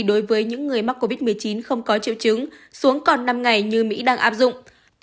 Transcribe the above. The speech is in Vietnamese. đối với những người mắc covid một mươi chín không có triệu chứng xuống còn năm ngày như mỹ đang áp dụng